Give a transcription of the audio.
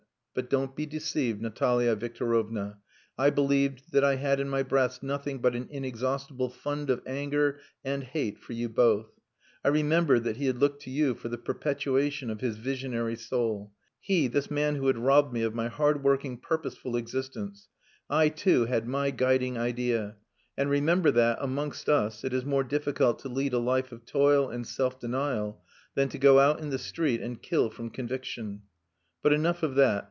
But don't be deceived, Natalia Victorovna. I believed that I had in my breast nothing but an inexhaustible fund of anger and hate for you both. I remembered that he had looked to you for the perpetuation of his visionary soul. He, this man who had robbed me of my hard working, purposeful existence. I, too, had my guiding idea; and remember that, amongst us, it is more difficult to lead a life of toil and self denial than to go out in the street and kill from conviction. But enough of that.